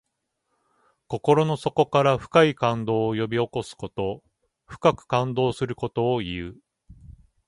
心の底から深い感動を呼び起こすこと。深く感動することをいう。